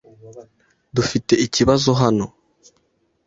Dufite ikibazo hano?